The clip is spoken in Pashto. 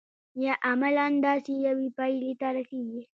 یا عملاً داسې یوې پایلې ته رسیږي.